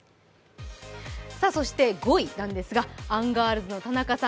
そして５位なんですが、アンガールズの田中さん